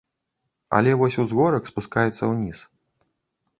Але вось узгорак спускаецца ўніз.